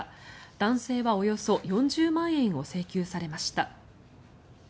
男性はおよそ４０万円を請求されました。